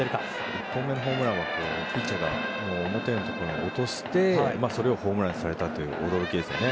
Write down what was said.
１本目のホームランはピッチャーが思ったようなところにそれをホームランにされたという驚きですよね。